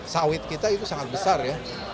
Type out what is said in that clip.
sawit kita itu sangat besar ya